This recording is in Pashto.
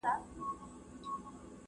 زه پرون د ښوونځی لپاره تياری وکړ!